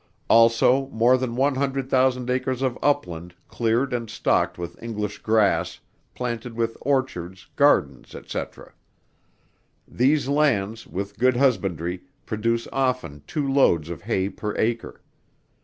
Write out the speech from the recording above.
Also, more than one hundred thousand acres of upland, cleared and stocked with English grass, planted with orchards, gardens, &c. These lands, with good husbandry, produce often two loads of hay per acre.